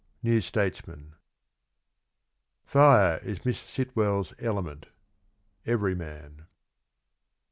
— New Statesman. Fire is Miss Sitwell's element. — Everyman.